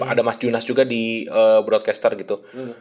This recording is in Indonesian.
ada mas junas juga di broadcaster gitu